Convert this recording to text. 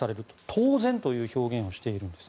当然という表現をしているんです。